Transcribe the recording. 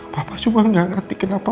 papa cuma gak ngerti kenapa